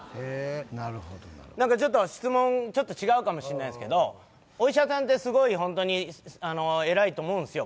なるほど何かちょっと質問ちょっと違うかもしんないですけどお医者さんってすごいホントに偉いと思うんすよ